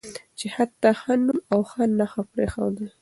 چې حتی ښه نوم او ښه نښه پرېښودل